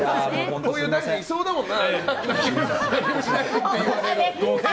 こういう大臣いそうだもんな。